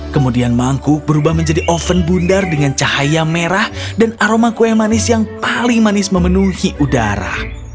kemudian mangkuk berubah menjadi oven bundar dengan cahaya merah dan aroma kue manis yang paling manis memenuhi udara